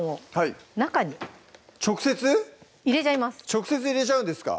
直接入れちゃうんですか？